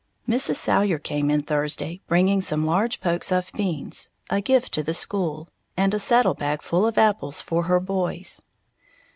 _ Mrs. Salyer came in Thursday bringing some large pokes of beans, a gift to the school, and a saddle bag full of apples for her boys.